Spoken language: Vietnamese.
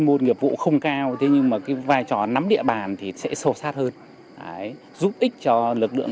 môn nghiệp vụ không cao thế nhưng mà cái vai trò nắm địa bàn thì sẽ sâu sát hơn giúp ích cho lực lượng